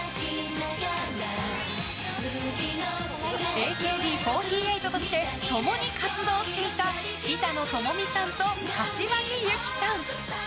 ＡＫＢ４８として共に活動していた板野友美さんと柏木由紀さん。